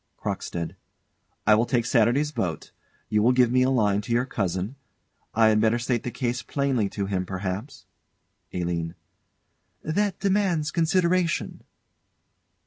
CROCKSTEAD. I will take Saturday's boat you will give me a line to your cousin. I had better state the case plainly to him, perhaps? ALINE. That demands consideration.